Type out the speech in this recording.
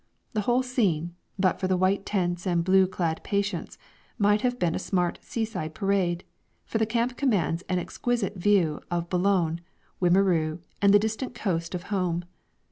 The whole scene, but for the white tents and blue clad patients, might have been a smart seaside parade, for the camp commands an exquisite view of Boulogne, Wimereux and the distant coast of home.